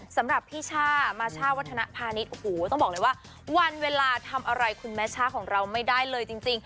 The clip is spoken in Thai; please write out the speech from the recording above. สำหรับพี่ช่ามาช่าวัฒนภาณิชย์โอ้โหต้องบอกเลยว่าวันเวลาทำอะไรคุณแม่ช่าของเราไม่ได้เลยจริง